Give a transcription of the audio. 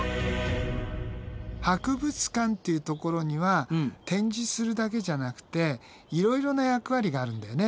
博物館っていうところには展示するだけじゃなくていろいろな役割があるんだよね。